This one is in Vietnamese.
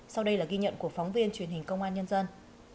sau đây là ghi nhận của phóng viên truyền hình công an nhân dân